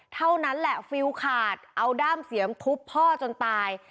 เท่านั้นแหละฟิลขาดเอาด้ามเสียมทุบพ่อจนตาย